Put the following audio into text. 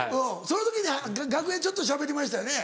その時に楽屋でちょっとしゃべりましたよね。